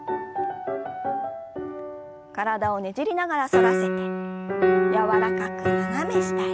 体をねじりながら反らせて柔らかく斜め下へ。